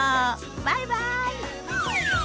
バイバイ。